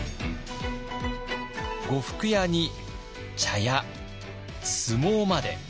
呉服屋に茶屋相撲まで。